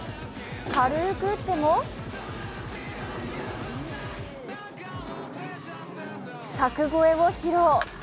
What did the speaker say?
軽く打っても柵越えを披露。